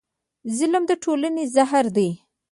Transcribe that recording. ظلم د ټولنې زهر دی.